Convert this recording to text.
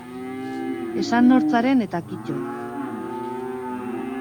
Esan nor zaren eta kito.